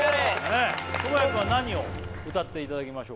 倫也君は何を歌っていただきましょうか？